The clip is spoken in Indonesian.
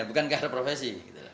bukan ke arah profesi